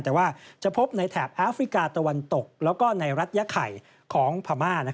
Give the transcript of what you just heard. แต่ว่าจะพบในแถบแอฟริกาตะวันตกแล้วก็ในรัฐยะไข่ของพม่า